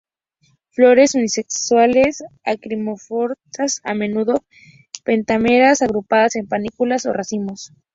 Flores unisexuales, actinomorfas, a menudo pentámeras; agrupadas en panículas o racimos.